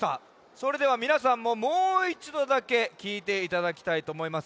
それではみなさんももう１どだけきいていただきたいとおもいます。